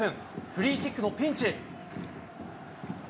フリーキックのピンチ。